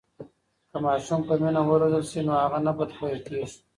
که ماشوم په مینه و روزل سي نو هغه نه بدخویه کېږي.